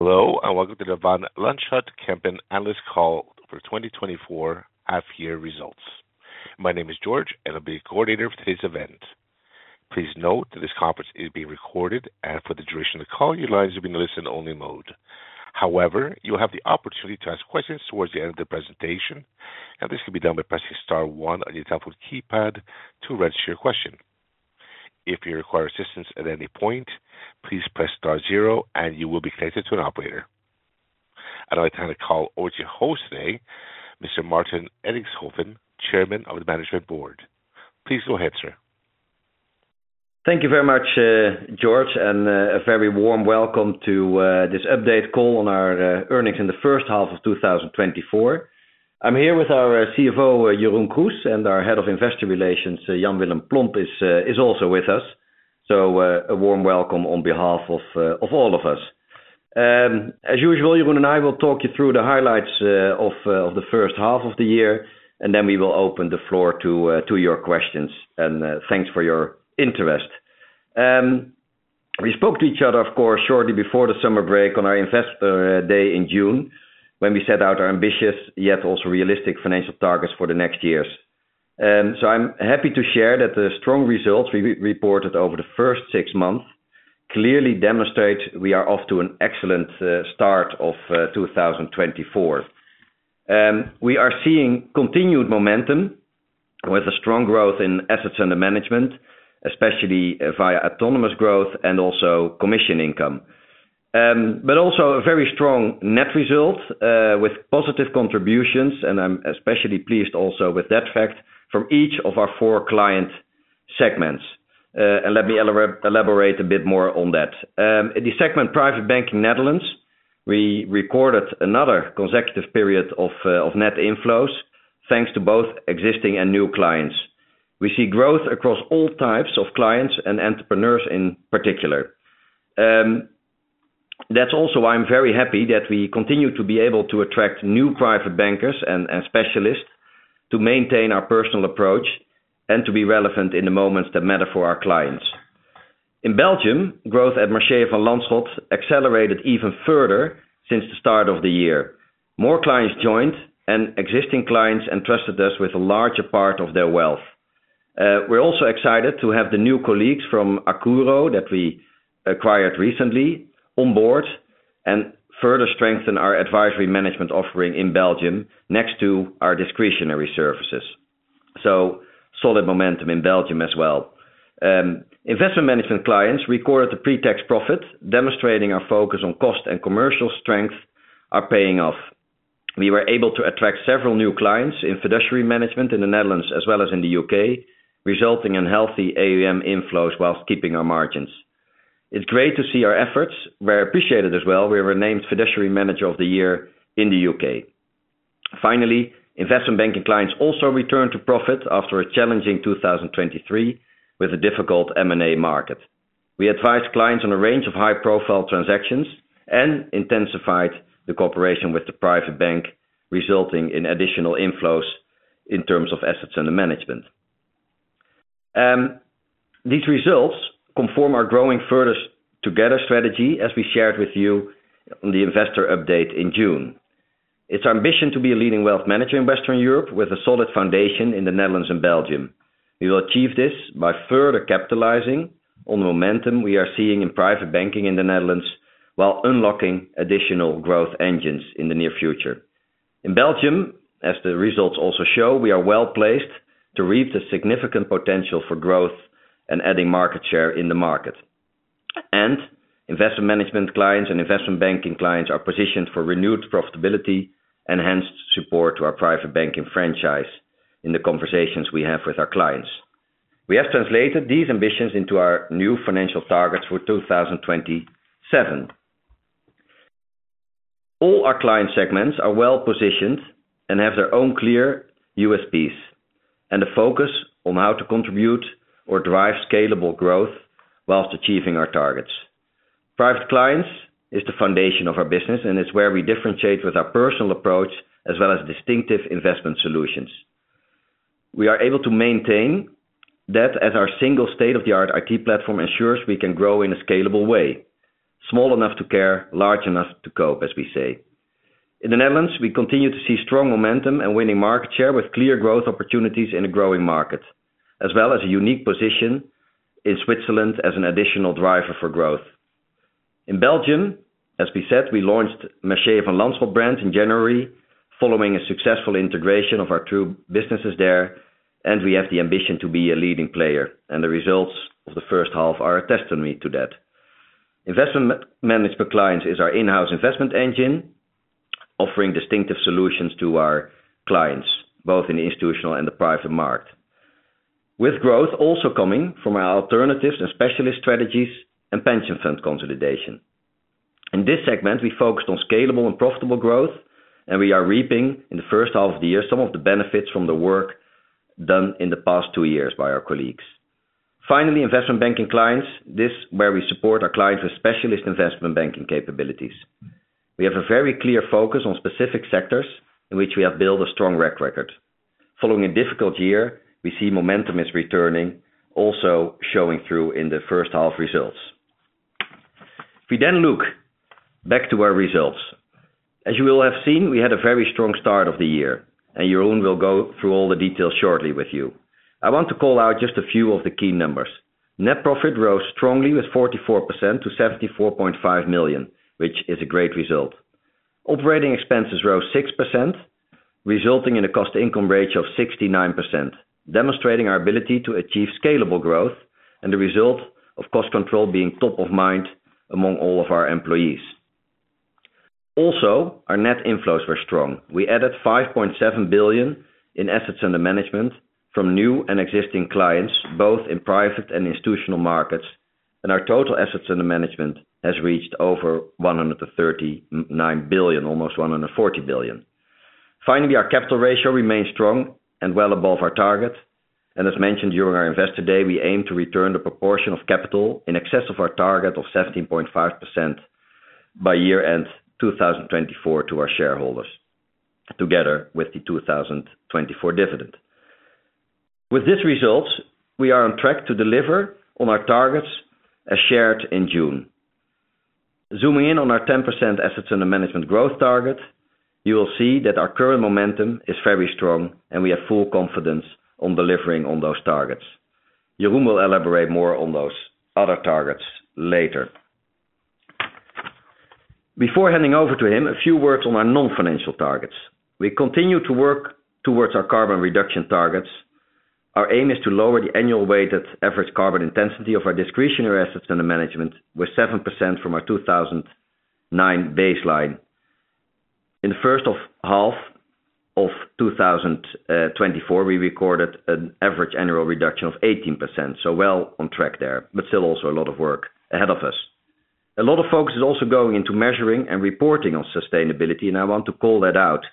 Hello, and welcome to the Van Lanschot Kempen Analyst Call for 2024 half-year results. My name is George, and I'll be your coordinator for today's event. Please note that this conference is being recorded, and for the duration of the call, your lines will be in listen-only mode. However, you'll have the opportunity to ask questions towards the end of the presentation, and this can be done by pressing star one on your telephone keypad to register your question. If you require assistance at any point, please press star zero and you will be connected to an operator. I'd like to call on our host today, Mr. Maarten Edixhoven, Chairman of the Management Board. Please go ahead, sir. Thank you very much, George, and a very warm welcome to this update call on our earnings in the first half of 2024. I'm here with our CFO, Jeroen Kroes, and our Head of Investor Relations, Jan Willem Plomp, is also with us. A warm welcome on behalf of all of us. As usual, Jeroen and I will talk you through the highlights of the first half of the year, and then we will open the floor to your questions, and thanks for your interest. We spoke to each other, of course, shortly before the summer break on our investor day in June, when we set out our ambitious, yet also realistic financial targets for the next years. So I'm happy to share that the strong results we reported over the first six months clearly demonstrate we are off to an excellent start of 2024. We are seeing continued momentum with a strong growth in assets under management, especially via autonomous growth and also commission income. But also a very strong net result with positive contributions, and I'm especially pleased also with that fact from each of our four client segments. And let me elaborate a bit more on that. In the segment Private Bank in Netherlands, we recorded another consecutive period of net inflows, thanks to both existing and new clients. We see growth across all types of clients and entrepreneurs in particular. That's also why I'm very happy that we continue to be able to attract new private bankers and specialists to maintain our personal approach and to be relevant in the moments that matter for our clients. In Belgium, growth at Mercier Van Lanschot accelerated even further since the start of the year. More clients joined, and existing clients entrusted us with a larger part of their wealth. We're also excited to have the new colleagues from Accuro, that we acquired recently, on board and further strengthen our advisory management offering in Belgium next to our discretionary services, so solid momentum in Belgium as well. Investment management clients recorded a pre-tax profit, demonstrating our focus on cost and commercial strength are paying off. We were able to attract several new clients in fiduciary management in the Netherlands as well as in the U.K., resulting in healthy AUM inflows while keeping our margins. It's great to see our efforts were appreciated as well. We were named Fiduciary Manager of the Year in the U.K. Finally, investment banking clients also returned to profit after a challenging 2023 with a difficult M&A market. We advised clients on a range of high-profile transactions and intensified the cooperation with the private bank, resulting in additional inflows in terms of assets under management. These results confirm our growing further together strategy, as we shared with you on the investor update in June. It's our ambition to be a leading wealth manager in Western Europe with a solid foundation in the Netherlands and Belgium. We will achieve this by further capitalizing on the momentum we are seeing in private banking in the Netherlands, while unlocking additional growth engines in the near future. In Belgium, as the results also show, we are well-placed to reap the significant potential for growth and adding market share in the market, and investment management clients and investment banking clients are positioned for renewed profitability, enhanced support to our private banking franchise in the conversations we have with our clients. We have translated these ambitions into our new financial targets for 2027. All our client segments are well-positioned and have their own clear USPs, and a focus on how to contribute or drive scalable growth whilst achieving our targets. Private clients is the foundation of our business, and it's where we differentiate with our personal approach as well as distinctive investment solutions. We are able to maintain that as our single state-of-the-art IT platform ensures we can grow in a scalable way. Small enough to care, large enough to cope, as we say. In the Netherlands, we continue to see strong momentum and winning market share with clear growth opportunities in a growing market, as well as a unique position in Switzerland as an additional driver for growth. In Belgium, as we said, we launched Mercier Van Lanschot brand in January, following a successful integration of our two businesses there, and we have the ambition to be a leading player, and the results of the first half are a testimony to that. Investment management clients is our in-house investment engine, offering distinctive solutions to our clients, both in the institutional and the private market. With growth also coming from our alternatives and specialist strategies and pension fund consolidation. In this segment, we focused on scalable and profitable growth, and we are reaping, in the first half of the year, some of the benefits from the work done in the past two years by our colleagues. Finally, investment banking clients, this where we support our clients with specialist investment banking capabilities. We have a very clear focus on specific sectors in which we have built a strong track record.... Following a difficult year, we see momentum is returning, also showing through in the first half results. If we then look back to our results, as you will have seen, we had a very strong start of the year, and Jeroen will go through all the details shortly with you. I want to call out just a few of the key numbers. Net profit rose strongly with 44% to 74.5 million, which is a great result. Operating expenses rose 6%, resulting in a cost income ratio of 69%, demonstrating our ability to achieve scalable growth and the result of cost control being top of mind among all of our employees. Also, our net inflows were strong. We added 5.7 billion in assets under management from new and existing clients, both in private and institutional markets, and our total assets under management has reached over 139 billion, almost 140 billion. Finally, our capital ratio remains strong and well above our target, and as mentioned during our investor day, we aim to return the proportion of capital in excess of our target of 17.5% by year-end 2024 to our shareholders, together with the 2024 dividend. With these results, we are on track to deliver on our targets as shared in June. Zooming in on our 10% assets under management growth target, you will see that our current momentum is very strong and we have full confidence on delivering on those targets. Jeroen will elaborate more on those other targets later. Before handing over to him, a few words on our non-financial targets. We continue to work towards our carbon reduction targets. Our aim is to lower the annual weighted average carbon intensity of our discretionary assets under management with 7% from our two thousand and nine baseline. In the first half of 2024, we recorded an average annual reduction of 18%. So well on track there, but still also a lot of work ahead of us. A lot of focus is also going into measuring and reporting on sustainability, and I want to call that out.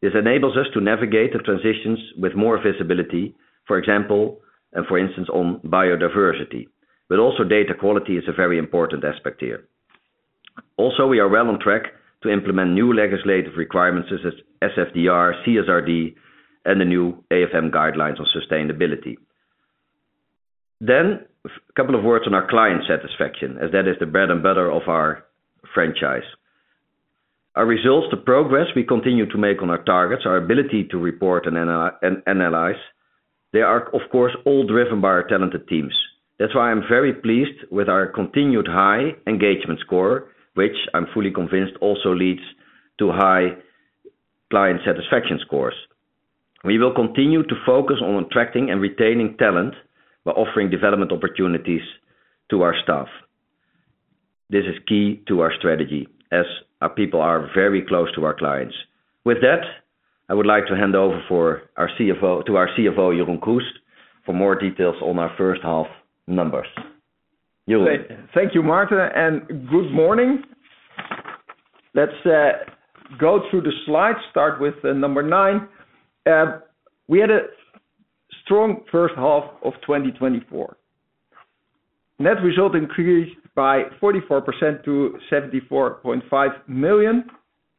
This enables us to navigate the transitions with more visibility, for example, and for instance, on biodiversity, but also data quality is a very important aspect here. Also, we are well on track to implement new legislative requirements such as SFDR, CSRD, and the new AFM guidelines on sustainability. Then, a couple of words on our client satisfaction, as that is the bread and butter of our franchise. Our results, the progress we continue to make on our targets, our ability to report and analyze, they are, of course, all driven by our talented teams. That's why I'm very pleased with our continued high engagement score, which I'm fully convinced also leads to high client satisfaction scores. We will continue to focus on attracting and retaining talent by offering development opportunities to our staff. This is key to our strategy as our people are very close to our clients. With that, I would like to hand over to our CFO, Jeroen Kroes, for more details on our first half numbers. Jeroen. Thank you, Maarten, and good morning. Let's go through the slides. Start with number nine. We had a strong first half of 2024. Net result increased by 44% to 74.5 million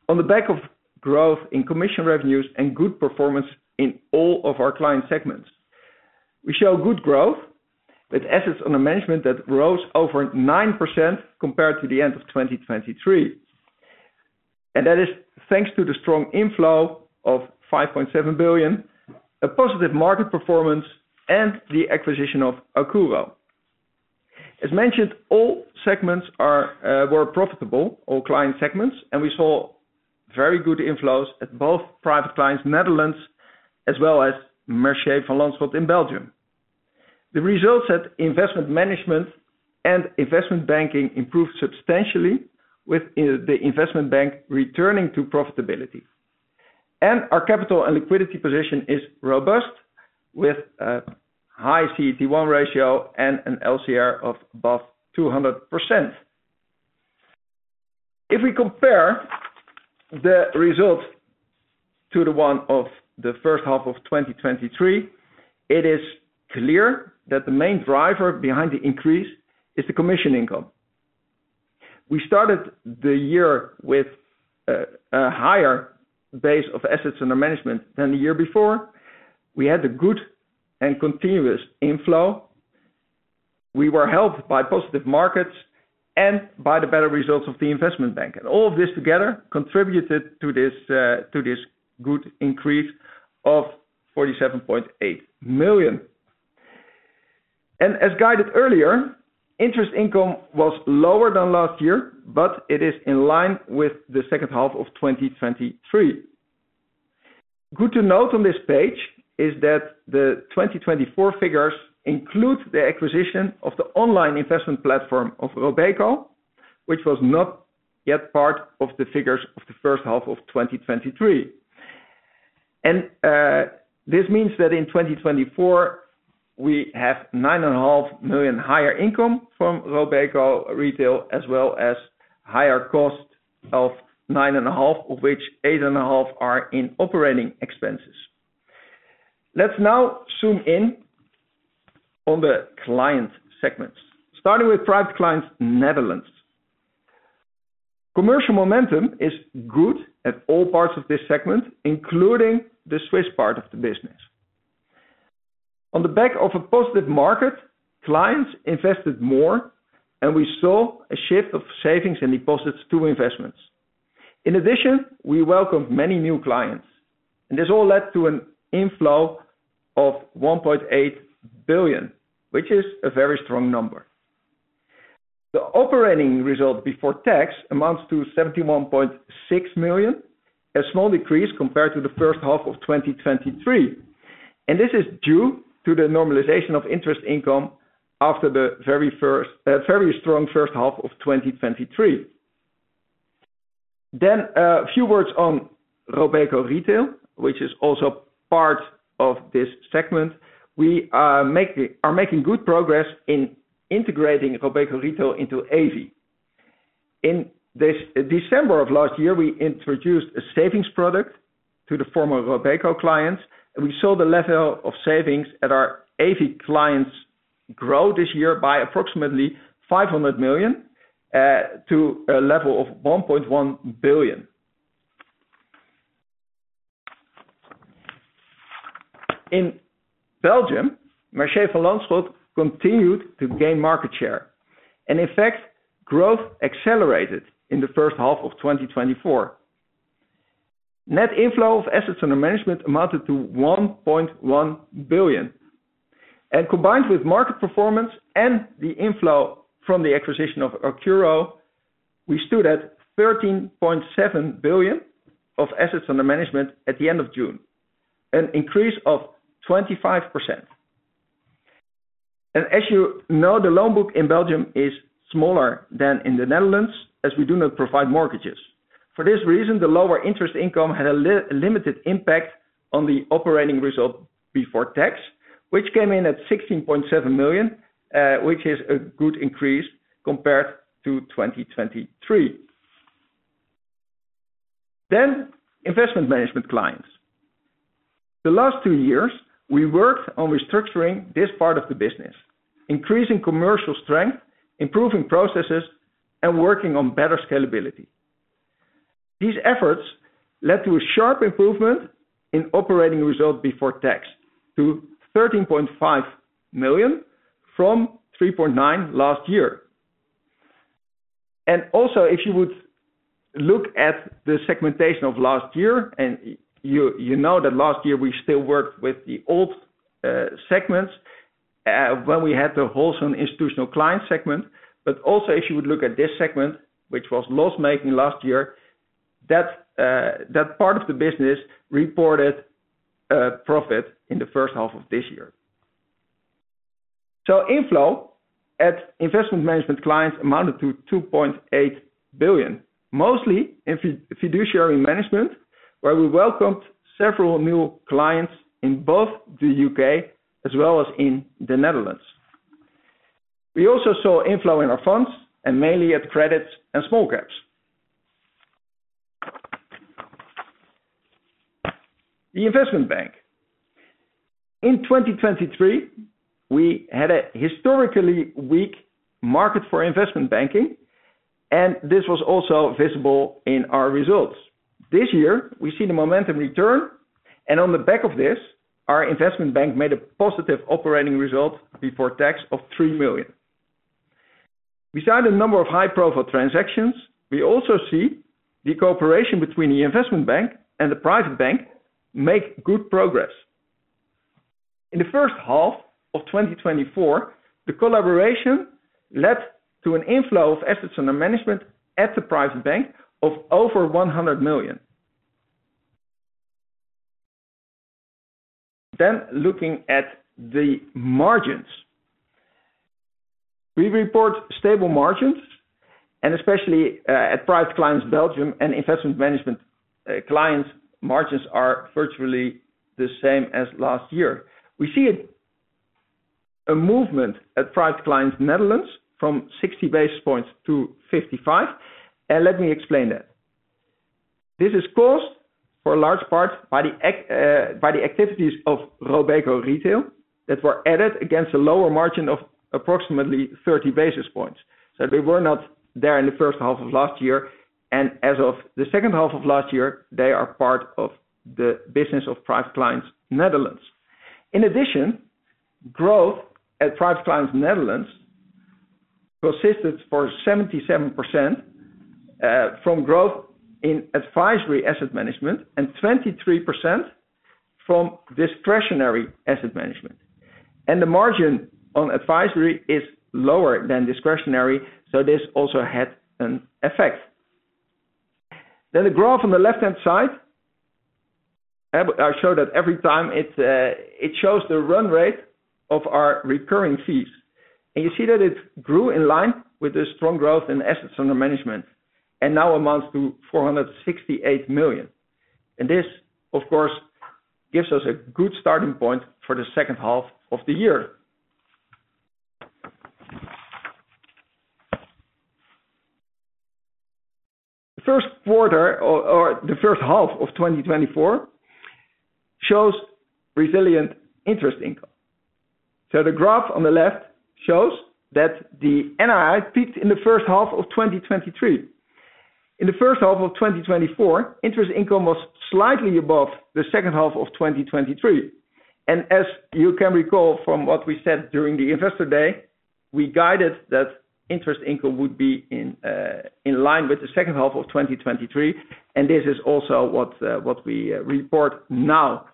on the back of growth in commission revenues and good performance in all of our client segments. We show good growth, with assets under management that rose over 9% compared to the end of 2023, and that is thanks to the strong inflow of 5.7 billion, a positive market performance, and the acquisition of Accuro. As mentioned, all segments were profitable, all client segments, and we saw very good inflows at both private clients, Netherlands, as well as Mercier Van Lanschot in Belgium. The results at investment management and investment banking improved substantially with the investment bank returning to profitability. Our capital and liquidity position is robust, with a high CET1 ratio and an LCR of above 200%. If we compare the results to the one of the first half of 2023, it is clear that the main driver behind the increase is the commission income. We started the year with a higher base of assets under management than the year before. We had a good and continuous inflow. We were helped by positive markets and by the better results of the investment bank, and all of this together contributed to this good increase of 47.8 million. As guided earlier, interest income was lower than last year, but it is in line with the second half of 2023. Good to note on this page is that the 2024 figures include the acquisition of the online investment platform of Robeco, which was not yet part of the figures of the first half of 2023. And, this means that in 2024, we have 9.5 million higher income from Robeco retail, as well as higher cost of 9.5 million, of which 8.5 million are in operating expenses. Let's now zoom in on the client segments, starting with private clients, Netherlands. Commercial momentum is good at all parts of this segment, including the Swiss part of the business. On the back of a positive market, clients invested more, and we saw a shift of savings and deposits to investments. In addition, we welcomed many new clients, and this all led to an inflow of 1.8 billion, which is a very strong number. The operating result before tax amounts to 71.6 million, a small decrease compared to the first half of 2023, and this is due to the normalization of interest income after the very first, very strong first half of 2023. A few words on Robeco Retail, which is also part of this segment. We are making good progress in integrating Robeco Retail into Evi. In December of last year, we introduced a savings product to the former Robeco clients, and we saw the level of savings at our Evi clients grow this year by approximately 500 million to a level of 1.1 billion. In Belgium, Mercier Van Lanschot continued to gain market share, and in fact, growth accelerated in the first half of 2024. Net inflow of assets under management amounted to 1.1 billion, and combined with market performance and the inflow from the acquisition of Accuro, we stood at 13.7 billion of assets under management at the end of June, an increase of 25%, and as you know, the loan book in Belgium is smaller than in the Netherlands, as we do not provide mortgages. For this reason, the lower interest income had a limited impact on the operating result before tax, which came in at 16.7 million, which is a good increase compared to 2023, then investment management clients. The last two years, we worked on restructuring this part of the business, increasing commercial strength, improving processes, and working on better scalability. These efforts led to a sharp improvement in operating results before tax to 13.5 million from 3.9 million last year. And also, if you would look at the segmentation of last year, and you, you know that last year we still worked with the old segments, when we had the wholesale institutional client segment. But also, if you would look at this segment, which was loss-making last year, that part of the business reported profit in the first half of this year. So inflow at investment management clients amounted to 2.8 billion, mostly in fiduciary management, where we welcomed several new clients in both the U.K. as well as in the Netherlands. We also saw inflow in our funds and mainly at credits and small caps. The investment bank. In 2023, we had a historically weak market for investment banking, and this was also visible in our results. This year, we see the momentum return and on the back of this, our investment bank made a positive operating result before tax of 3 million. Besides a number of high-profile transactions, we also see the cooperation between the investment bank and the private bank make good progress. In the first half of 2024, the collaboration led to an inflow of assets under management at the private bank of over 100 million. Then, looking at the margins. We report stable margins, and especially at private clients, Belgium and investment management, clients' margins are virtually the same as last year. We see a movement at Private Clients Netherlands from 60 basis points to 55, and let me explain that. This is caused, for a large part, by the activities of Robeco Retail, that were added against a lower margin of approximately 30 basis points. So they were not there in the first half of last year, and as of the second half of last year, they are part of the business of Private Clients Netherlands. In addition, growth at Private Clients Netherlands consisted for 77% from growth in advisory asset management and 23% from discretionary asset management. And the margin on advisory is lower than discretionary, so this also had an effect. Then the graph on the left-hand side, I show that every time it shows the run rate of our recurring fees. You see that it grew in line with the strong growth in assets under management and now amounts to 468 million. This, of course, gives us a good starting point for the second half of the year. The first quarter or the first half of 2024 shows resilient interest income. The graph on the left shows that the NII peaked in the first half of 2023. In the first half of 2024, interest income was slightly above the second half of 2023, and as you can recall from what we said during the investor day, we guided that interest income would be in line with the second half of 2023, and this is also what we report now.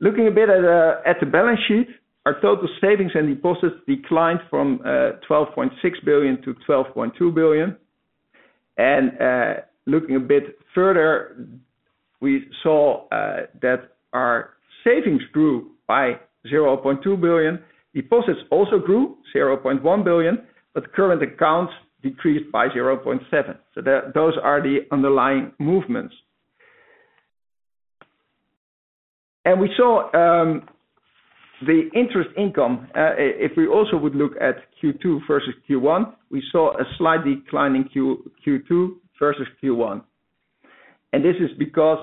Looking a bit at the balance sheet, our total savings and deposits declined from 12.6 billion to 12.2 billion. And looking a bit further, we saw that our savings grew by 0.2 billion. Deposits also grew 0.1 billion, but current accounts decreased by 0.7 billion. So those are the underlying movements. And we saw the interest income if we also would look at Q2 versus Q1, we saw a slight decline in Q2 versus Q1. And this is because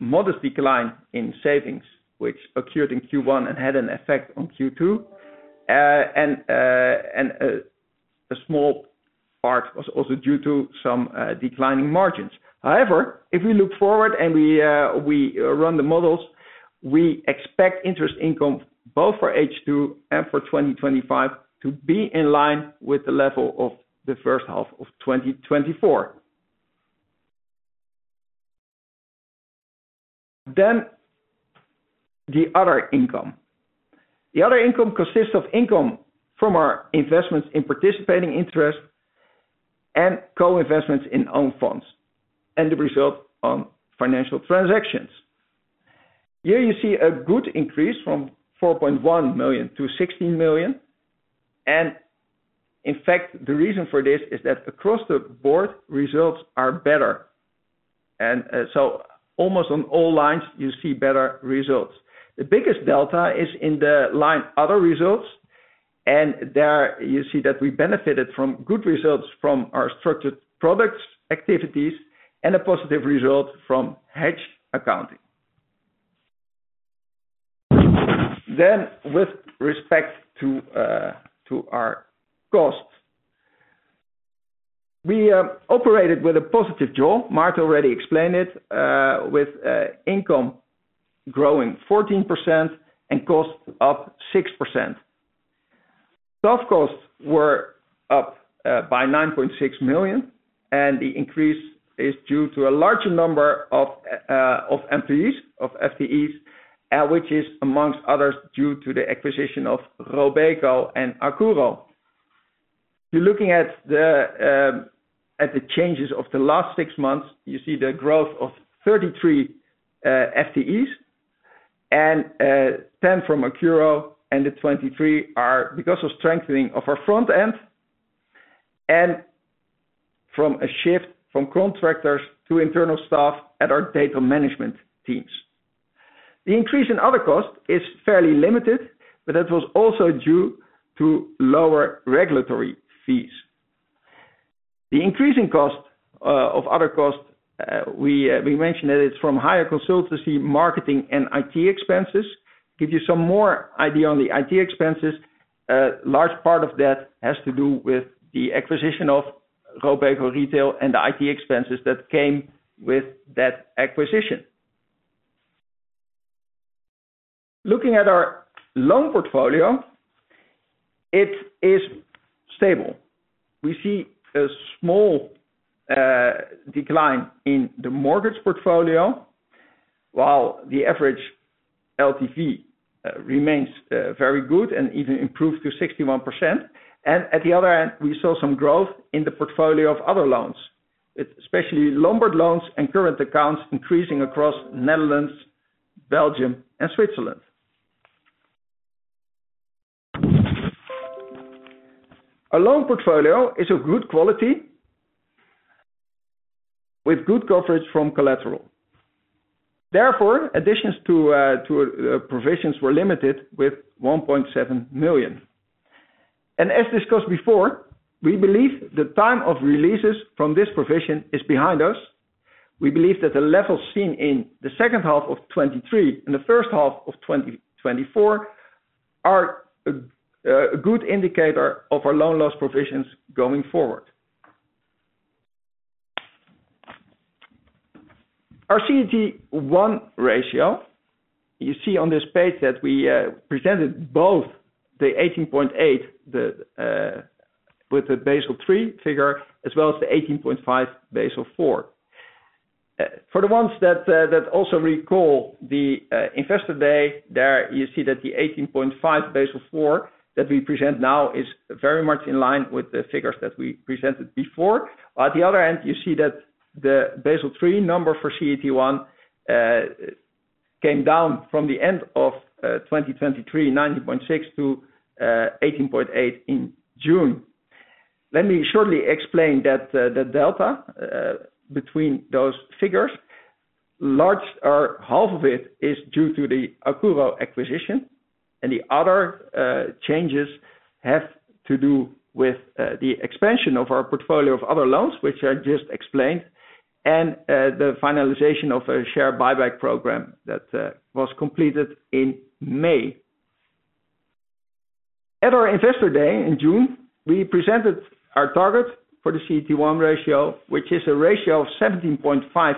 modest decline in savings, which occurred in Q1 and had an effect on Q2. And a small part was also due to some declining margins. However, if we look forward and we run the models, we expect interest income both for H2 and for 2025, to be in line with the level of the first half of 2024. Then the other income. The other income consists of income from our investments in participating interest and co-investments in own funds, and the result on financial transactions. Here you see a good increase from 4.1 million to 16 million and, in fact, the reason for this is that across the board, results are better. And so almost on all lines you see better results. The biggest delta is in the line other results, and there you see that we benefited from good results from our structured products, activities, and a positive result from hedge accounting. Then, with respect to our costs. We operated with a positive jaw. Maarten already explained it, with income growing 14% and costs up 6%. Soft costs were up by 9.6 million, and the increase is due to a larger number of employees, of FTEs, which is, among others, due to the acquisition of Robeco and Accuro. You're looking at the changes of the last six months. You see the growth of 33 FTEs and 10 from Accuro, and the 23 are because of strengthening of our front end, and from a shift from contractors to internal staff at our data management teams. The increase in other costs is fairly limited, but that was also due to lower regulatory fees. The increase in cost of other costs, we mentioned that it's from higher consultancy, marketing, and IT expenses. Give you some more idea on the IT expenses, a large part of that has to do with the acquisition of Robeco Retail and the IT expenses that came with that acquisition. Looking at our loan portfolio, it is stable. We see a small decline in the mortgage portfolio, while the average LTV remains very good and even improved to 61%. At the other end, we saw some growth in the portfolio of other loans, especially Lombard loans and current accounts increasing across Netherlands, Belgium and Switzerland. Our loan portfolio is of good quality, with good coverage from collateral. Therefore, additions to provisions were limited with 1.7 million. As discussed before, we believe the time of releases from this provision is behind us. We believe that the levels seen in the second half of 2023 and the first half of 2024 are a good indicator of our loan loss provisions going forward. Our CET1 ratio, you see on this page that we presented both the 18.8% with the Basel III figure, as well as the 18.5%, Basel IV. For the ones that also recall the investor day, there you see that the 18.5%, Basel IV, that we present now is very much in line with the figures that we presented before. At the other end, you see that the Basel III number for CET1 came down from the end of 2023, 19.6% to 18.8% in June. Let me shortly explain that, the delta between those figures, largely half of it is due to the Accuro acquisition, and the other changes have to do with the expansion of our portfolio of other loans, which I just explained, and the finalization of a share buyback program that was completed in May. At our investor day in June, we presented our target for the CET1 ratio, which is a ratio of 17.5%,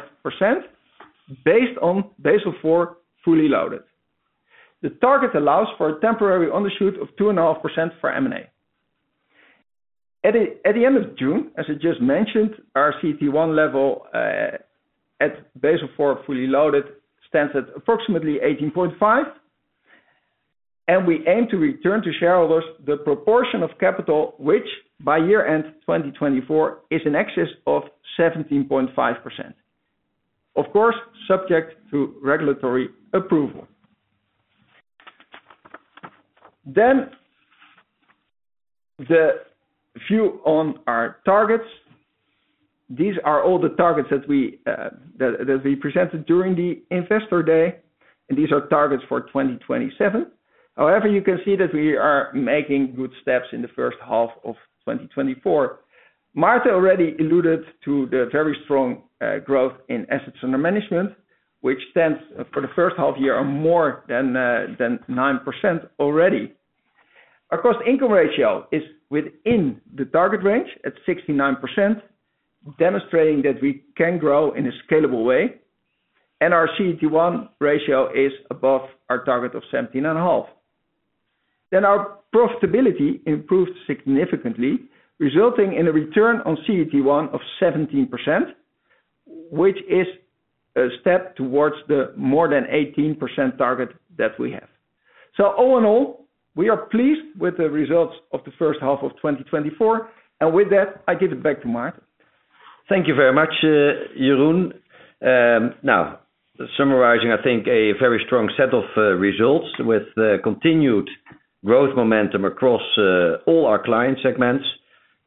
based on Basel IV, fully loaded. The target allows for a temporary undershoot of 2.5% for M&A. At the end of June, as I just mentioned, our CET1 level at Basel IV, fully loaded, stands at approximately 18.5, and we aim to return to shareholders the proportion of capital, which by year end, 2024, is in excess of 17.5%. Of course, subject to regulatory approval. Then, the view on our targets. These are all the targets that we presented during the investor day, and these are targets for 2027. However, you can see that we are making good steps in the first half of 2024. Maarten already alluded to the very strong growth in assets under management, which stands for the first half year are more than nine percent already. Our cost income ratio is within the target range at 69%, demonstrating that we can grow in a scalable way, and our CET1 ratio is above our target of 17.5%. Then our profitability improved significantly, resulting in a return on CET1 of 17%, which is a step towards the more than 18% target that we have. So all in all, we are pleased with the results of the first half of 2024, and with that, I give it back to Maarten. Thank you very much, Jeroen. Now, summarizing, I think, a very strong set of results with the continued growth momentum across all our client segments,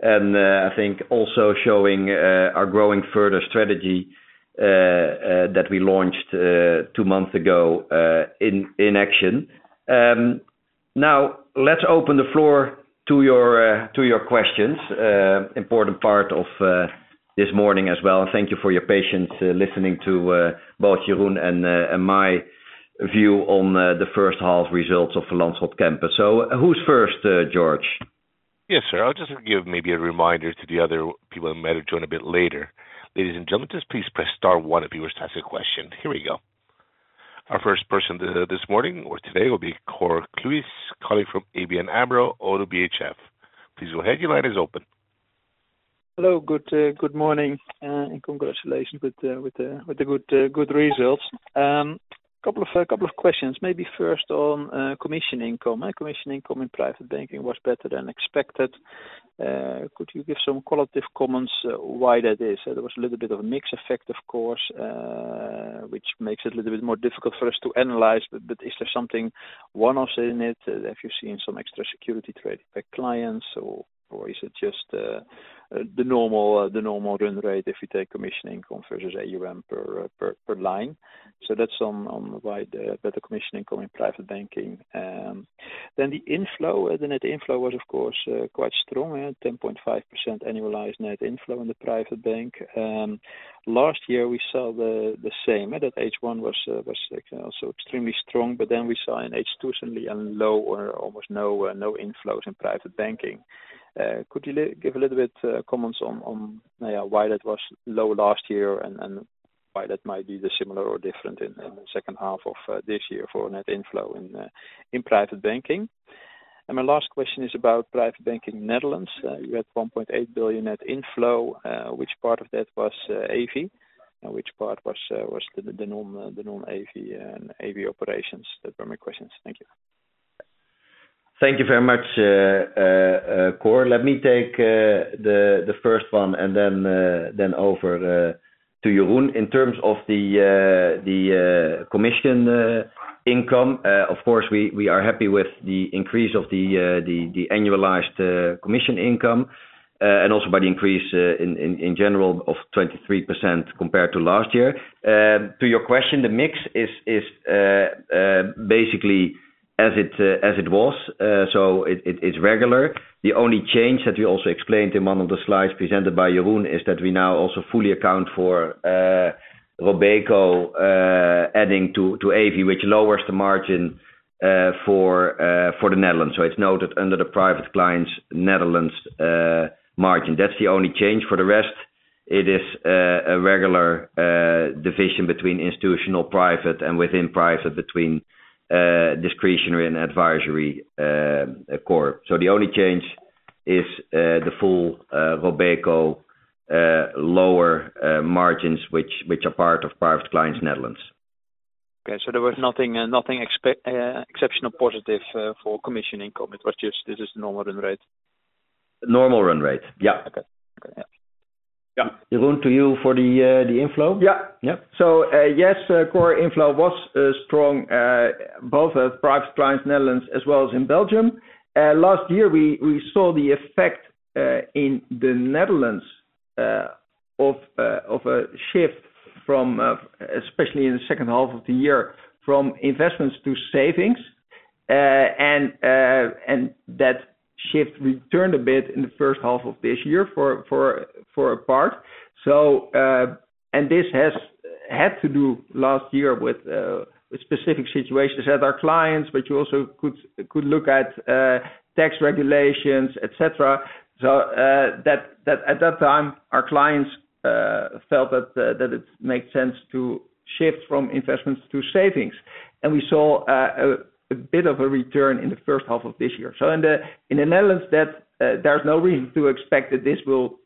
and I think also showing our growing further strategy that we launched two months ago in action. Now, let's open the floor to your questions. Important part of this morning as well, and thank you for your patience listening to both Jeroen and my view on the first half results of Van Lanschot Kempen. So who's first, George? Yes, sir. I'll just give maybe a reminder to the other people that might have joined a bit later. Ladies and gentlemen, just please press star one if you wish to ask a question. Here we go. Our first person this morning or today will be Cor Kluis, calling from ABN AMRO, ODDO BHF. Please go ahead, your line is open. Hello, good morning, and congratulations with the good results. A couple of questions. Maybe first on commission income. Our commission income in private banking was better than expected. Could you give some qualitative comments why that is? There was a little bit of a mix effect, of course, which makes it a little bit more difficult for us to analyze, but is there something one-off in it? Have you seen some extra security trade by clients, or is it just the normal run rate if you take commission income versus AUM per line? So that's on why the better commission income in private banking. Then the inflow, the net inflow was of course quite strong, at 10.5% annualized net inflow in the private bank. Last year we saw the same, and H1 was also extremely strong, but then we saw in H2 suddenly a low or almost no inflows in private banking. Could you give a little bit comments on why that was low last year and why that might be the similar or different in the second half of this year for net inflow in private banking? And my last question is about private banking in Netherlands. You had 1.8 billion net inflow, which part of that was AV, and which part was the non-Evi and AV operations? Those were my questions. Thank you. Thank you very much, Cor. Let me take the first one and then over to Jeroen. In terms of the commission income, of course, we are happy with the increase of the annualized commission income, and also by the increase in general of 23% compared to last year. To your question, the mix is basically as it was, so it's regular. The only change that we also explained in one of the slides presented by Jeroen is that we now also fully account for Robeco adding to AV, which lowers the margin for the Netherlands. So it's noted under the private clients Netherlands margin. That's the only change. For the rest, it is a regular division between institutional, private, and within private, between discretionary and advisory core. So the only change is the full Robeco lower margins, which are part of private clients, Netherlands. Okay. So there was nothing exceptional positive for commission income. It was just this is normal run rate. Normal run rate. Yeah. Okay. Okay, yeah. Yeah. Jeroen, to you for the inflow? Yeah. Yeah. Yes, core inflow was strong both at private clients, Netherlands, as well as in Belgium. Last year, we saw the effect in the Netherlands of a shift from, especially in the second half of the year, from investments to savings. That shift returned a bit in the first half of this year for a part. This had to do last year with specific situations at our clients, but you also could look at tax regulations, et cetera. That at that time, our clients felt that it made sense to shift from investments to savings. We saw a bit of a return in the first half of this year. So in the Netherlands, there's no reason to expect that this will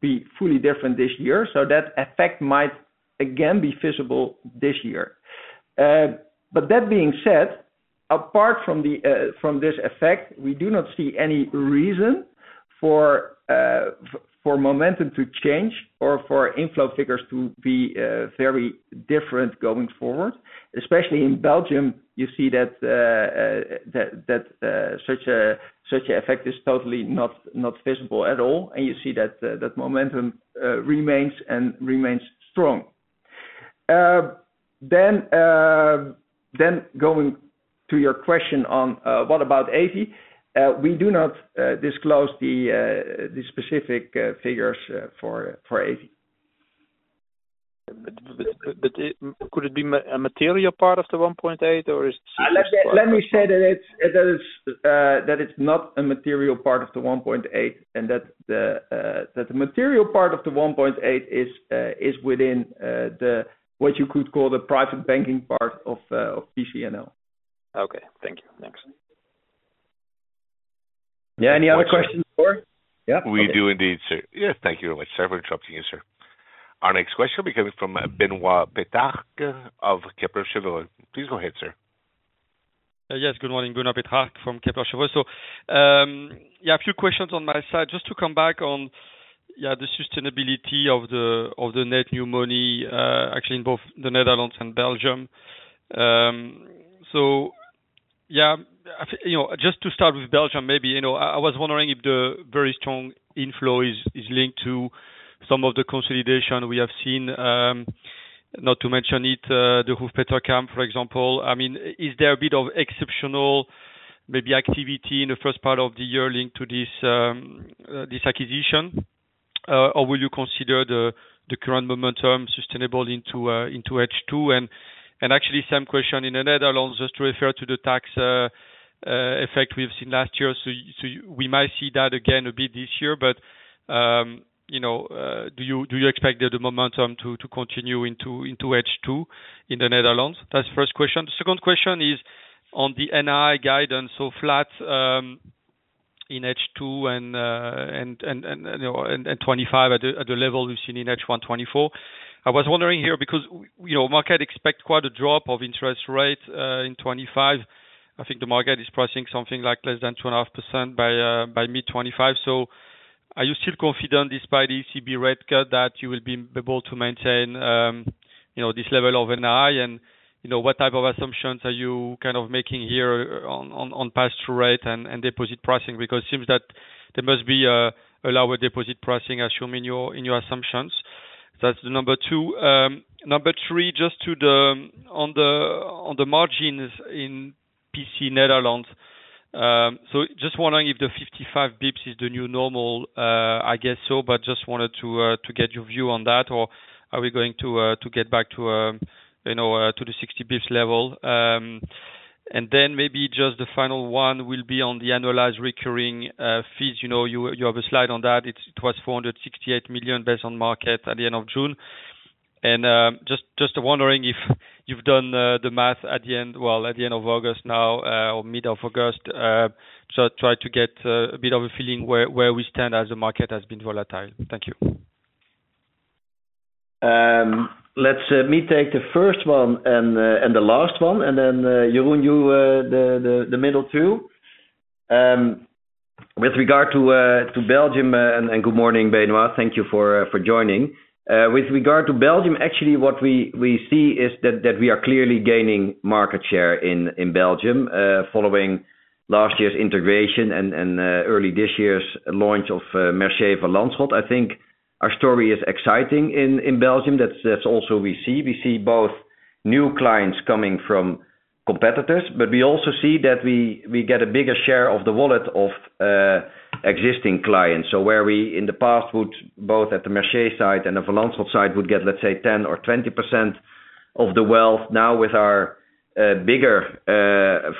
be fully different this year, so that effect might again be visible this year. But that being said, apart from this effect, we do not see any reason for momentum to change or for inflow figures to be very different going forward. Especially in Belgium, you see that such a effect is totally not visible at all, and you see that momentum remains strong. Then going to your question on what about AP? We do not disclose the specific figures for AP. Could it be a material part of the one point eight, or is it- Let me say that it's not a material part of the 1.8, and that the material part of the 1.8 is within the what you could call the private banking part of PCNL. Okay. Thank you. Thanks. Yeah. Any other questions for? Yeah. We do indeed, sir. Yeah, thank you very much, sir, for interrupting you, sir. Our next question will be coming from Benoit Petrarque of Kepler Cheuvreux. Please go ahead, sir. Yes, good morning. Benoit Petrarque from Kepler Cheuvreux. Yeah, a few questions on my side. Just to come back on, yeah, the sustainability of the net new money, actually in both the Netherlands and Belgium. Yeah, I, you know, just to start with Belgium, maybe, you know, I was wondering if the very strong inflow is linked to some of the consolidation we have seen, not to mention it, Degroof Petercam, for example. I mean, is there a bit of exceptional maybe activity in the first part of the year linked to this, this acquisition? Or will you consider the current momentum sustainable into H2? Actually, same question in the Netherlands, just to refer to the tax effect we have seen last year. So, we might see that again a bit this year, but, you know, do you expect the momentum to continue into H2 in the Netherlands? That's the first question. The second question is on the NI guidance, so flat in H2 and 2025 at the level we've seen in H1 2024. I was wondering here, because, you know, market expect quite a drop of interest rates in 2025. I think the market is pricing something like less than 2.5% by mid-2025. So are you still confident, despite the ECB rate cut, that you will be able to maintain, you know, this level of NI? You know, what type of assumptions are you kind of making here on pass-through rate and deposit pricing? Because it seems that there must be a lower deposit pricing assumption in your assumptions. That's number two. Number three, just to the on the margins in PC Netherlands, so just wondering if the 55 basis points is the new normal? I guess so, but just wanted to get your view on that, or are we going to get back to you know, to the 60 basis points level. And then maybe just the final one will be on the annualized recurring fees. You know, you have a slide on that. It was 468 million based on market at the end of June. Just wondering if you've done the math at the end, well, at the end of August now, or mid of August. So try to get a bit of a feeling where we stand as the market has been volatile. Thank you. Let me take the first one and the last one, and then, Jeroen, you the middle two. With regard to Belgium, and good morning, Benoit. Thank you for joining. With regard to Belgium, actually, what we see is that we are clearly gaining market share in Belgium, following last year's integration and early this year's launch of Mercier Van Lanschot. I think our story is exciting in Belgium. That's also we see. We see both new clients coming from competitors, but we also see that we get a bigger share of the wallet of existing clients. So where we, in the past, would both at the Mercier side and the Van Lanschot side, would get, let's say, 10% or 20% of the wealth. Now, with our bigger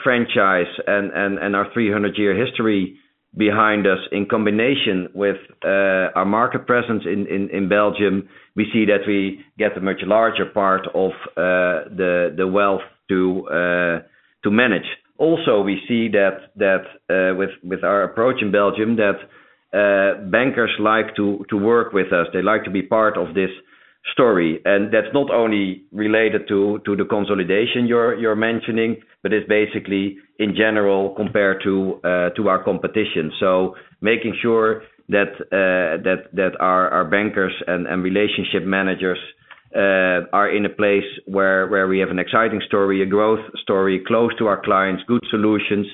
franchise and our 300-year history behind us, in combination with our market presence in Belgium, we see that we get a much larger part of the wealth to manage. Also, we see that with our approach in Belgium, that bankers like to work with us. They like to be part of this story. And that's not only related to the consolidation you're mentioning, but it's basically in general compared to our competition. So making sure that our bankers and relationship managers are in a place where we have an exciting story, a growth story, close to our clients, good solutions.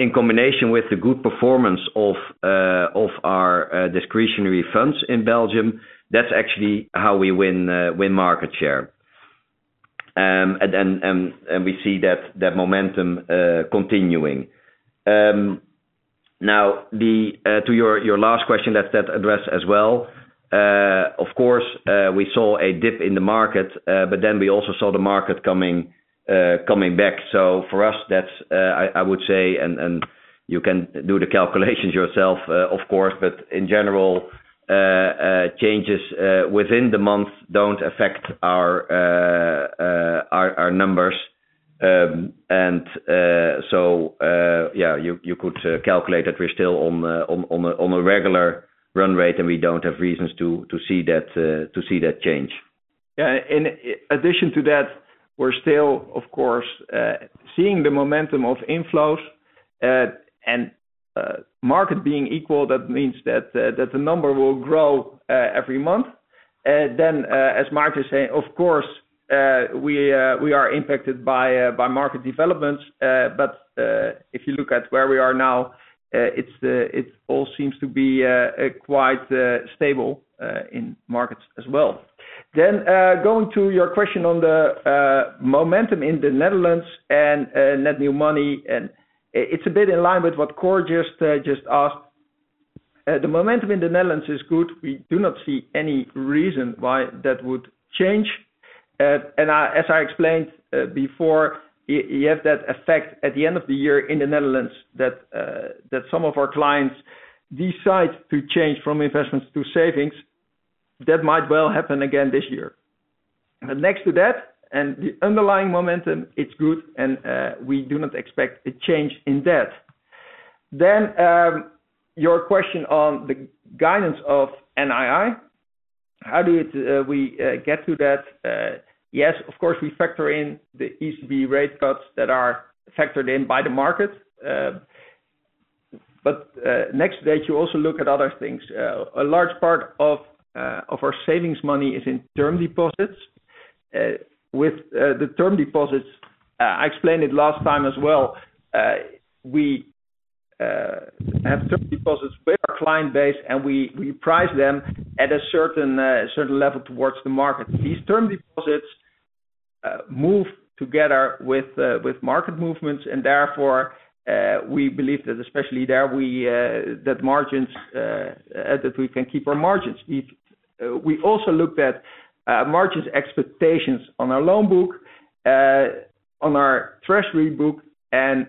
in combination with the good performance of our discretionary funds in Belgium, that's actually how we win market share. We see that momentum continuing. Now, to your last question, that addresses as well. Of course, we saw a dip in the market, but then we also saw the market coming back. For us, that's, I would say, and you can do the calculations yourself, of course, but in general, changes within the month don't affect our numbers. Yeah, you could calculate that we're still on a regular run rate, and we don't have reasons to see that change. Yeah, in addition to that, we're still, of course, seeing the momentum of inflows. And, market being equal, that means that the number will grow every month. Then, as Maarten is saying, of course, we are impacted by market developments, but if you look at where we are now, it all seems to be quite stable in markets as well. Then, going to your question on the momentum in the Netherlands and net new money, and it's a bit in line with what Cor just asked. The momentum in the Netherlands is good. We do not see any reason why that would change. As I explained before, you have that effect at the end of the year in the Netherlands, that some of our clients decide to change from investments to savings, that might well happen again this year. But next to that, and the underlying momentum is good, and we do not expect a change in that. Then your question on the guidance of NII, how do we get to that? Yes, of course, we factor in the ECB rate cuts that are factored in by the market. But next to that you also look at other things. A large part of our savings money is in term deposits. With the term deposits, I explained it last time as well, we have term deposits with our client base, and we price them at a certain level towards the market. These term deposits move together with market movements, and therefore, we believe that especially there, that we can keep our margins. We also looked at margins expectations on our loan book, on our treasury book, and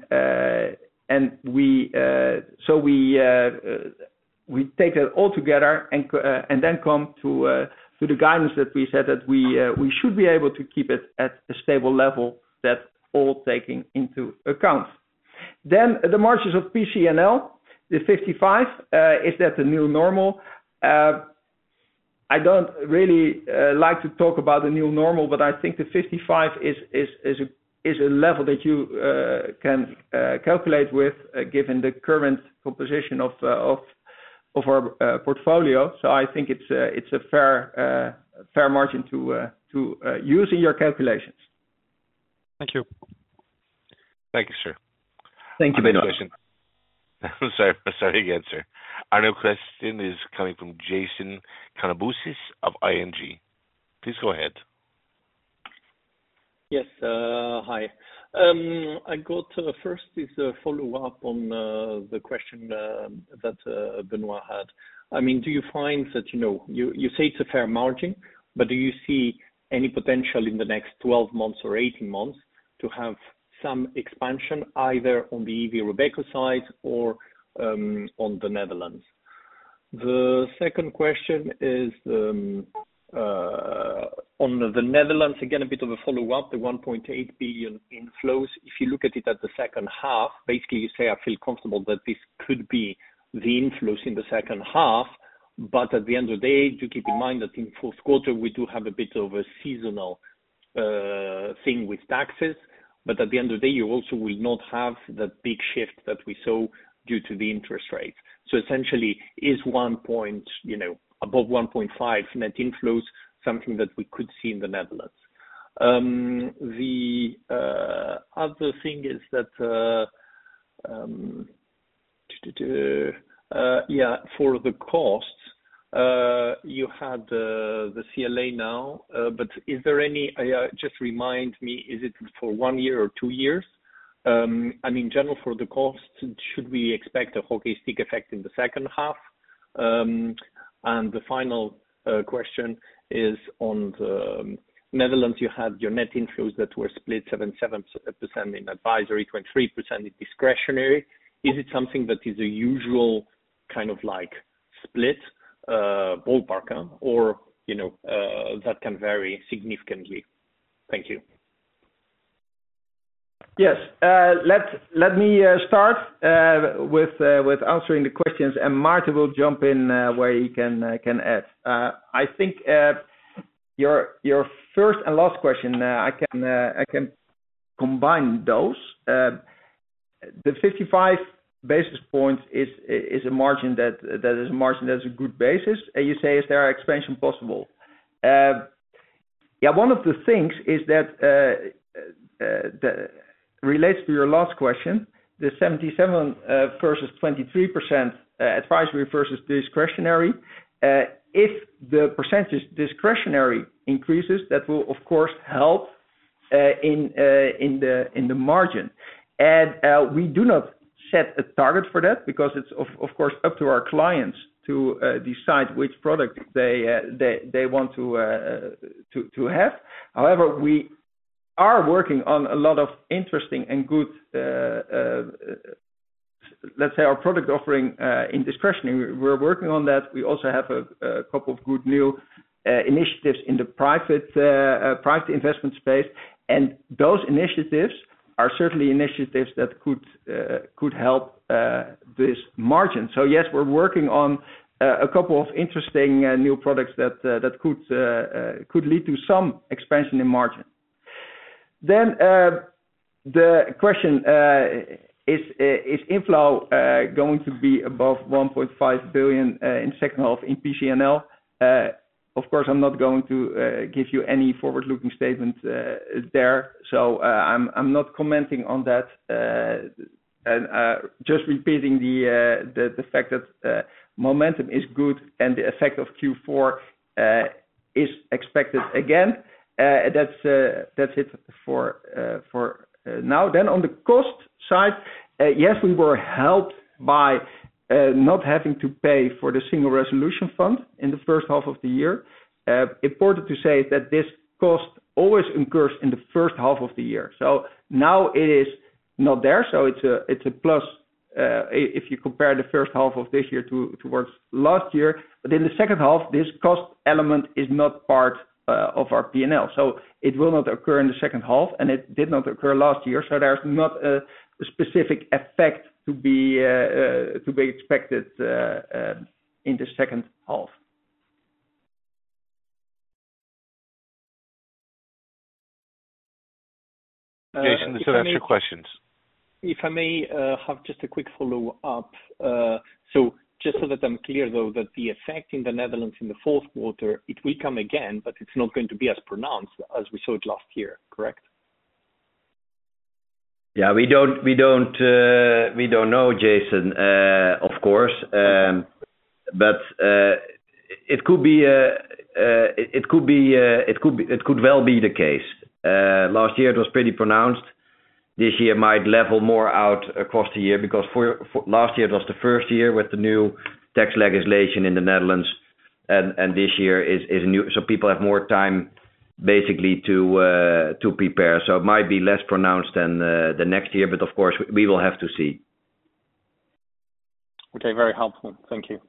we take it all together and then come to the guidance that we said that we should be able to keep it at a stable level that all taking into account. The margins of PCNL, the fifty-five, is that the new normal? I don't really like to talk about the new normal, but I think the 55 is a level that you can calculate with, given the current composition of our portfolio. So I think it's a fair margin to use in your calculations. Thank you. Thank you, sir. Thank you, Benoit. I'm sorry, sorry again, sir. Our next question is coming from Jason Kalamboussis of ING. Please go ahead. Yes, hi. I got first is a follow-up on the question that Benoit had. I mean, do you find that, you know, you say it's a fair margin, but do you see any potential in the next 12 months or 18 months to have some expansion, either on the Evi assets or on the Netherlands? The second question is on the Netherlands, again, a bit of a follow-up, the 1.8 billion inflows. If you look at it at the second half, basically, you say, I feel comfortable that this could be the inflows in the second half, but at the end of the day, do keep in mind that in fourth quarter, we do have a bit of a seasonal thing with taxes, but at the end of the day, you also will not have that big shift that we saw due to the interest rate. So essentially, is one point, you know, above one point five net inflows, something that we could see in the Netherlands? The other thing is that for the costs, you had the CLA now, but is there any... Just remind me, is it for one year or two years? In general, for the costs, should we expect a hockey stick effect in the second half? The final question is on the Netherlands. You had your net inflows that were split 77% in advisory, 23% in discretionary. Is it something that is a usual, kind of, like, split, ballpark, or, you know, that can vary significantly? Thank you. Yes. Let me start with answering the questions, and Maarten will jump in where he can add. I think your first and last question I can combine those. The 55 basis points is a margin that's a good basis. And you say, is there expansion possible? Yeah, one of the things is that relates to your last question, the 77 versus 23%, advisory versus discretionary. If the percentage discretionary increases, that will of course help in the margin. And we do not set a target for that because it's of course up to our clients to decide which product they want to have. However, we are working on a lot of interesting and good, let's say our product offering, in discretionary. We're working on that. We also have a couple of good new initiatives in the private investment space, and those initiatives are certainly initiatives that could help this margin. So yes, we're working on a couple of interesting new products that could lead to some expansion in margin. Then the question is inflow going to be above 1.5 billion in second half in PCNL? Of course, I'm not going to give you any forward-looking statement there, so I'm not commenting on that. Just repeating the fact that momentum is good and the effect of Q4 is expected again. That's it for now. Then on the cost side, yes, we were helped by not having to pay for the Single Resolution Fund in the first half of the year. Important to say that this cost always incurs in the first half of the year. So now it is not there, so it's a plus if you compare the first half of this year to last year. But in the second half, this cost element is not part of our PNL. So it will not occur in the second half, and it did not occur last year, so there is not a specific effect to be expected in the second half. Jason, does that answer your questions? If I may, have just a quick follow-up. So just so that I'm clear, though, that the effect in the Netherlands in the fourth quarter, it will come again, but it's not going to be as pronounced as we saw it last year, correct? Yeah, we don't know, Jason, of course. But it could well be the case. Last year it was pretty pronounced. This year might level more out across the year because last year it was the first year with the new tax legislation in the Netherlands, and this year is a new... So people have more time basically to prepare. So it might be less pronounced than the next year, but of course, we will have to see. Okay, very helpful. Thank you.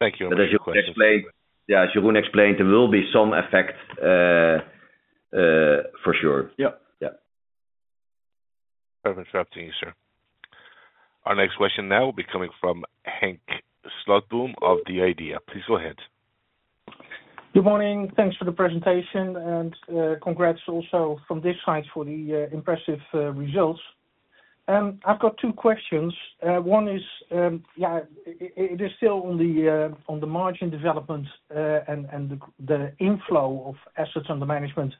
Thank you. But as you explained, yeah, as Jeroen explained, there will be some effect for sure. Yeah. Yeah. Sorry for interrupting you, sir. Our next question now will be coming from Henk Slotboom of The IDEA!. Please go ahead. Good morning. Thanks for the presentation, and congrats also from this side for the impressive results. I've got two questions. One is it is still on the margin development and the inflow of assets under management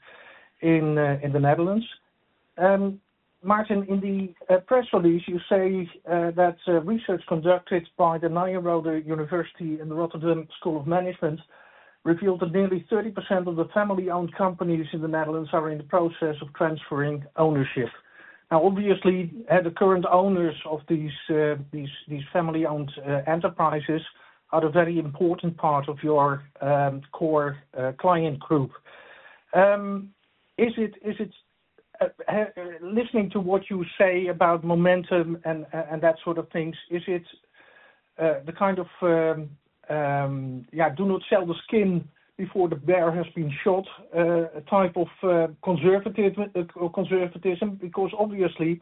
in the Netherlands. Maarten, in the press release, you say that research conducted by the Nyenrode University and the Rotterdam School of Management revealed that nearly 30% of the family-owned companies in the Netherlands are in the process of transferring ownership. Now, obviously, the current owners of these family-owned enterprises are a very important part of your core client group. Is it listening to what you say about momentum and that sort of things, is it the kind of do not sell the skin before the bear has been shot, a type of conservative or conservatism? Because obviously,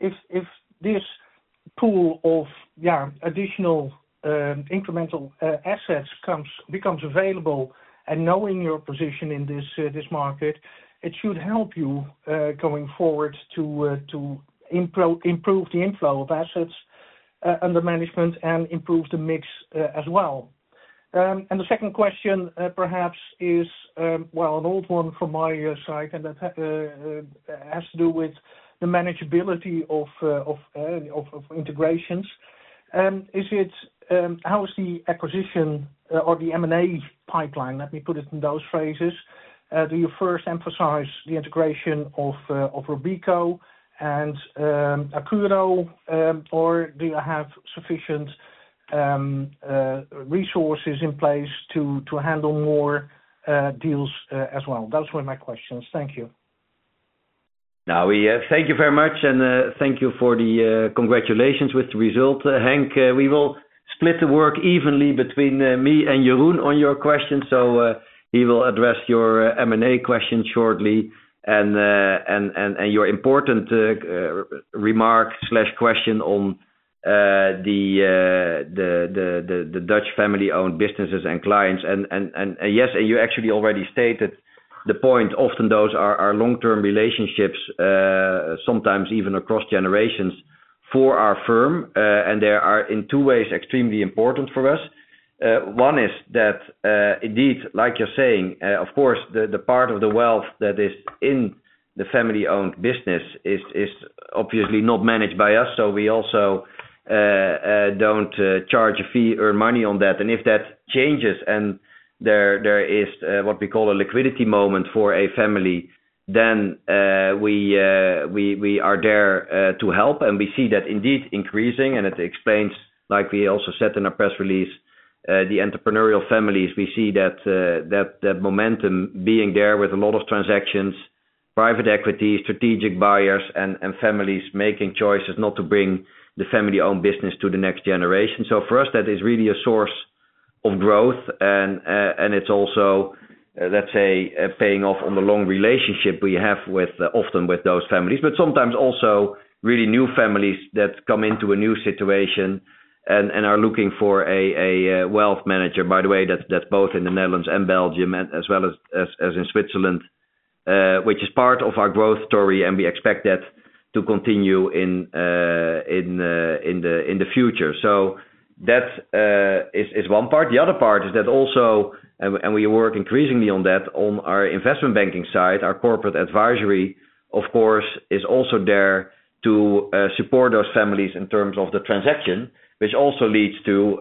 if this pool of additional, incremental assets becomes available and knowing your position in this market, it should help you going forward to improve the inflow of assets under management and improve the mix as well. The second question perhaps is well, an old one from my side, and that has to do with the manageability of integrations. Is it how is the acquisition or the M&A pipeline? Let me put it in those phrases. Do you first emphasize the integration of Robeco and Accuro, or do you have sufficient resources in place to handle more deals as well? Those were my questions. Thank you. Now, we thank you very much, and thank you for the congratulations with the result. Henk, we will split the work evenly between me and Jeroen on your questions, so he will address your M&A question shortly, and your important remark/question on the Dutch family-owned businesses and clients. Yes, and you actually already stated the point. Often those are long-term relationships, sometimes even across generations.... for our firm, and they are in two ways extremely important for us. One is that, indeed, like you're saying, of course, the part of the wealth that is in the family-owned business is obviously not managed by us, so we also don't charge a fee or money on that, and if that changes and there is what we call a liquidity moment for a family, then we are there to help, and we see that indeed increasing, and it explains, like we also said in our press release, the entrepreneurial families, we see that momentum being there with a lot of transactions, private equity, strategic buyers, and families making choices not to bring the family-owned business to the next generation. So for us, that is really a source of growth. And it's also, let's say, paying off on the long relationship we have with, often with those families, but sometimes also really new families that come into a new situation and are looking for a wealth manager, by the way. That's both in the Netherlands and Belgium, as well as in Switzerland, which is part of our growth story, and we expect that to continue in the future. So that's one part. The other part is that also we work increasingly on that, on our investment banking side. Our corporate advisory, of course, is also there to support those families in terms of the transaction, which also leads to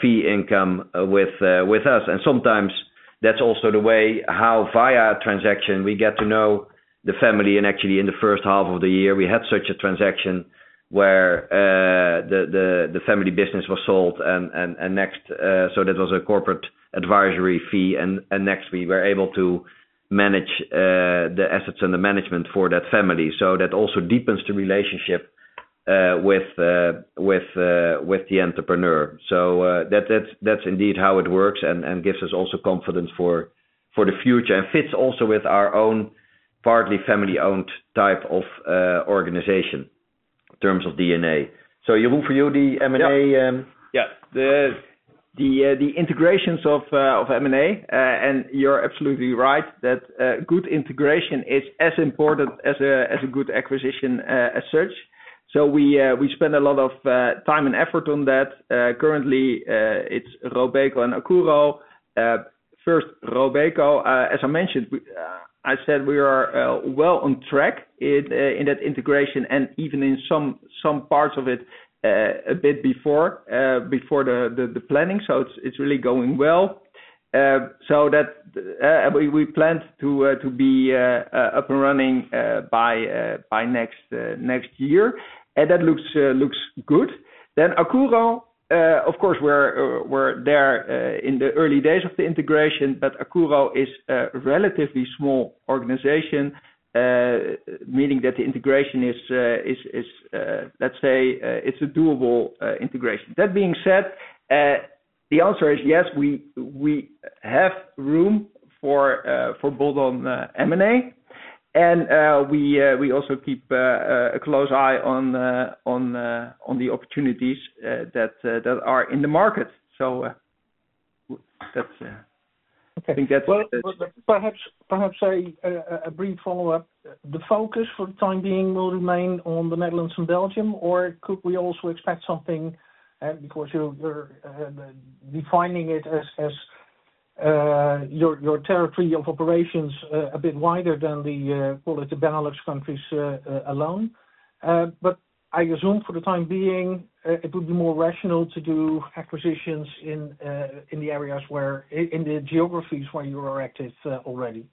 fee income with us. And sometimes that's also the way how via a transaction we get to know the family. And actually, in the first half of the year, we had such a transaction where the family business was sold and next so that was a corporate advisory fee. And next, we were able to manage the assets and the management for that family. So that also deepens the relationship with the entrepreneur. So, that's indeed how it works and gives us also confidence for the future and fits also with our own partly family-owned type of organization in terms of DNA. So Jeroen, for you, the M&A? Yeah. Yeah, the integrations of M&A, and you're absolutely right, that good integration is as important as a good acquisition, as such. So we spend a lot of time and effort on that. Currently, it's Robeco and Accuro. First, Robeco, as I mentioned, I said we are well on track in that integration and even in some parts of it, a bit before the planning. So it's really going well. So that we plan to be up and running by next year. And that looks good. Then Accuro, of course, we're there in the early days of the integration, but Accuro is a relatively small organization, meaning that the integration is, let's say, a doable integration. That being said, the answer is yes, we have room for both on M&A, and we also keep a close eye on the opportunities that are in the market. So, that's Okay. I think that's- Perhaps a brief follow-up. The focus for the time being will remain on the Netherlands and Belgium, or could we also expect something because you're defining it as your territory of operations a bit wider than the Benelux countries alone. But I assume for the time being it would be more rational to do acquisitions in the geographies where you are active already.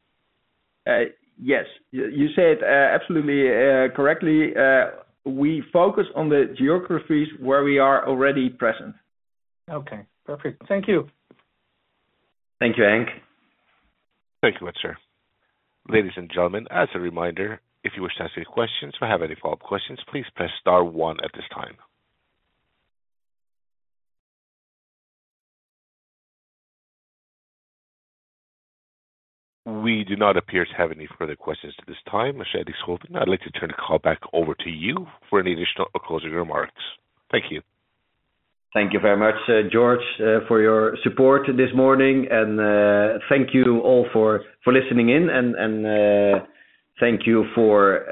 Yes, you said absolutely correctly. We focus on the geographies where we are already present. Okay, perfect. Thank you. Thank you, Henk. Thank you, Wouter. Ladies and gentlemen, as a reminder, if you wish to ask any questions or have any follow-up questions, please press star one at this time. We do not appear to have any further questions at this time. Mr. Edixhoven, I'd like to turn the call back over to you for any additional closing remarks. Thank you. Thank you very much, George, for your support this morning, and thank you all for listening in, and thank you for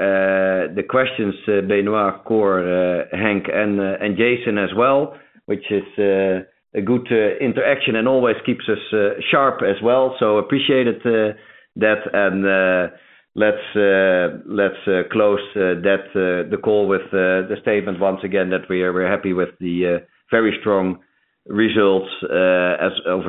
the questions, Benoit, Cor, Henk, and Jason as well, which is a good interaction and always keeps us sharp as well, so appreciated that. And let's close the call with the statement once again that we are very happy with the very strong results for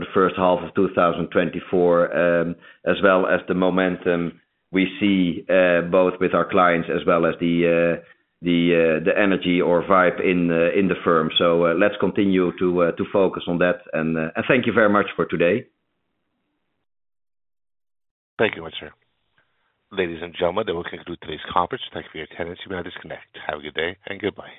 the first half of 2024, as well as the momentum we see both with our clients as well as the energy or vibe in the firm. So let's continue to focus on that, and thank you very much for today. Thank you, Wouter. Ladies and gentlemen, that will conclude today's conference. Thank you for your attendance. You may disconnect. Have a good day and goodbye.